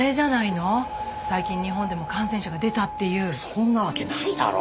そんなわけないだろ。